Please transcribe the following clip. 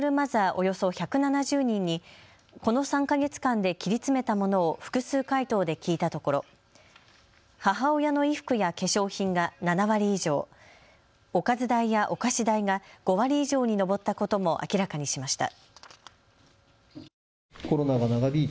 およそ１７０人にこの３か月間で切り詰めたものを複数回答で聞いたところ母親の衣服や化粧品が７割以上、おかず代やお菓子代が５割以上に上ったことも明らかにしました。